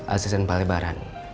asisten pak lebaran